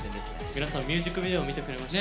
皆さんミュージックビデオ見てくれました？